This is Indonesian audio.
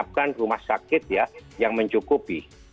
menyiapkan rumah sakit ya yang mencukupi